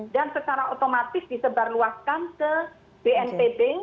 dan secara otomatis disebarluaskan ke bnpb